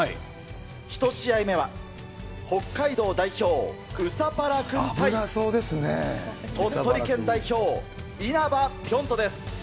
１試合目は、北海道代表、ウサパラくん対、鳥取県代表、因幡ぴょん兎です。